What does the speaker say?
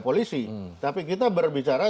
polisi tapi kita berbicara